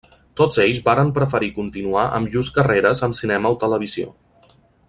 Tots ells varen preferir continuar amb llurs carreres en cinema o televisió.